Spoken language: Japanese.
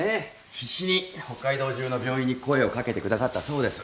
必死に北海道中の病院に声を掛けてくださったそうです。